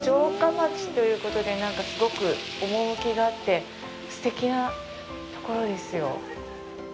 城下町ということでなんかすごく趣があってすてきなところですよ。